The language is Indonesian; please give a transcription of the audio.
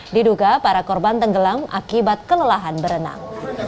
diduga para korban tenggelam akibat kelelahan berenang